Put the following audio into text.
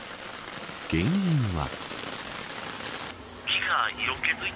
原因は。